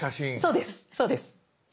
そうですそうです。